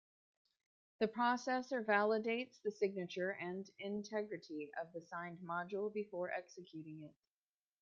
The processor validates the signature and integrity of the signed module before executing it.